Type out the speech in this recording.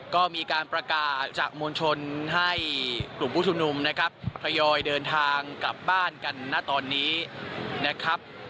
ก็มีการประกาศจากมวลชนให้กลุ่มผู้ชุมนุมนะครับทยอยเดินทางกลับบ้านกันณตอนนี้นะครับ